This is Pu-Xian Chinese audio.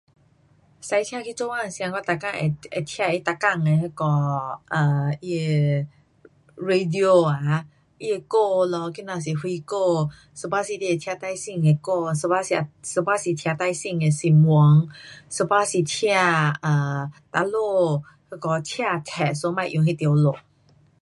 驾车去做工时间我每天会，会听他每天的哪个 um 那个它的 radio 啊，它的歌咯,今天是什歌。有半时你会听最新的歌，有半时啊，有半时听最新的新闻。有半时听 um 那里那个车塞 so 别用那条路。